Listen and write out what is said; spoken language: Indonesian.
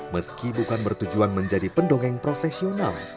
meski bukan bertujuan menjadi pendongeng profesional